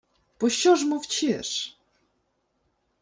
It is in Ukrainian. — Пощо ж мовчиш?